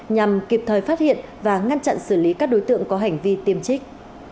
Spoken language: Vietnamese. nhằm kịp thời phát hiện và ngăn chặn xử lý các đối tượng có hành vi tiêm trích